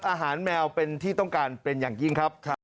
อาหารแมวเป็นที่ต้องการเป็นอย่างนี้ครับ